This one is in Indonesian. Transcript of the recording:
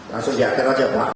langsung diakir aja pak